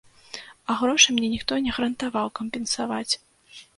А грошы мне ніхто не гарантаваў кампенсаваць.